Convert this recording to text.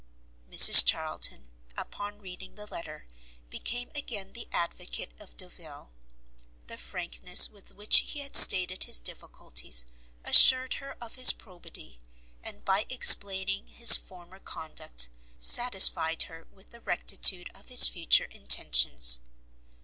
Mrs Charlton, upon reading the letter, became again the advocate of Delvile; the frankness with which he had stated his difficulties assured her of his probity, and by explaining his former conduct, satisfied her with the rectitude of his future intentions.